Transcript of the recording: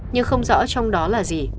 nhưng không rõ trong đó là gì